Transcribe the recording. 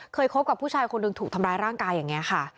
คบกับผู้ชายคนหนึ่งถูกทำร้ายร่างกายอย่างนี้ค่ะ